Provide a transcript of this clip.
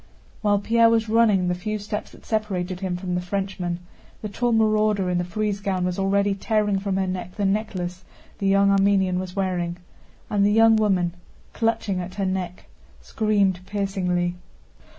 While Pierre was running the few steps that separated him from the Frenchman, the tall marauder in the frieze gown was already tearing from her neck the necklace the young Armenian was wearing, and the young woman, clutching at her neck, screamed piercingly.